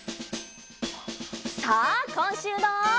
さあこんしゅうの。